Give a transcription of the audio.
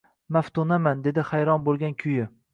Maftunaman, dedi hayron bo`lgan kuyi